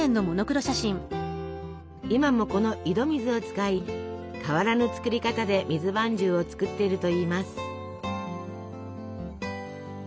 今もこの井戸水を使い変わらぬ作り方で水まんじゅうを作ってるといいます。